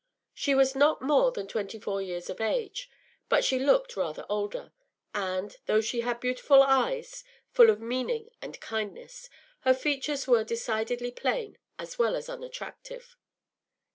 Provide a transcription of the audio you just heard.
She was not more than twenty four years of age, but she looked rather older, and, though she had beautiful eyes, full of meaning and kindness, her features were decidedly plain as well as unattractive.